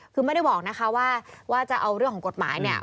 คือไม่ได้บอกว่าจะเอาเรื่องของกฎหมาย